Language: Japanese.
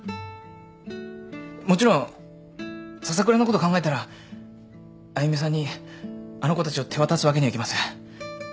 もちろん笹倉のこと考えたらあゆみさんにあの子たちを手渡すわけにはいきません。